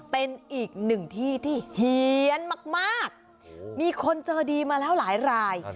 เป็นอีกหนึ่งที่ที่เฮียนมากมีคนเจอดีมาแล้วหลายราย